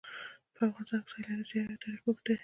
په افغانستان کې د سیلانی ځایونه تاریخ اوږد دی.